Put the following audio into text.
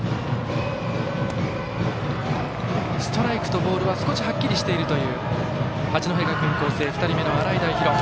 ストライクとボールは少しはっきりしているという八戸学院光星、２人目の洗平比呂。